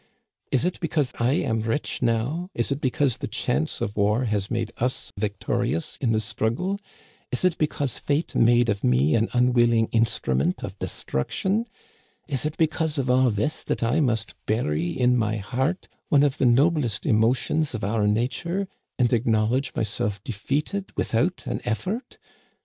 Is it because I am rich now, is it because the chance of war has made us victorious in the struggle, is it because fate made of me an unwilling instrument of destruction, is it because of all this that I must bury in my heart one of the noblest emotions of our nature, and acknowledge myself defeated without an effort